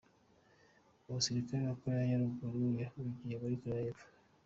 Umusirikare wa Korea ya ruguru yahungiye muri Korea y'epfo.